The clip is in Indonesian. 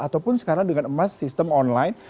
ataupun sekarang dengan emas sistem online